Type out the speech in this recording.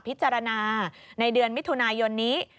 พิจารณาในเดือนมิถุนายนนี้